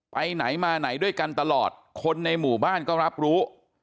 ไปไหนมาไหนด้วยกันตลอดคนในหมู่บ้านก็รับรู้